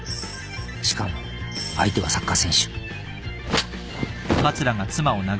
しかも相手はサッカー選手。